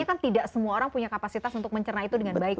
kan tidak semua orang punya kapasitas untuk mencerna itu dengan baik